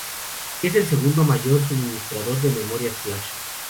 Y es el segundo mayor suministrador de memorias flash.